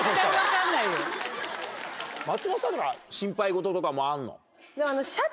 松本さんは心配事とかもあるの？